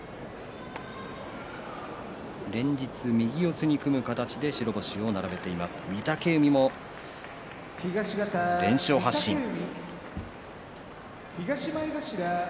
連日、右四つに組む形で白星を並べている御嶽海も２連勝発進です。